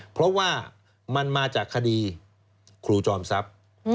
เพราะว่ามันมาจากคดีครูจอมทรัพย์